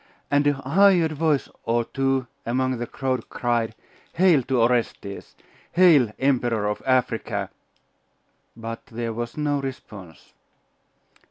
And a hired voice or two among the crowd cried, 'Hail to Orestes! Hail, Emperor of Africa!'.... But there was no response.